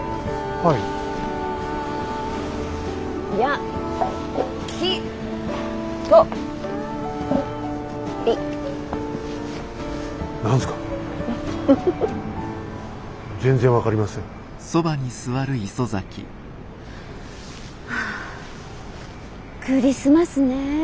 はあクリスマスねえ。